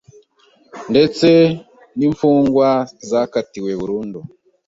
ndetse n’imfungwa zakatiwe burundu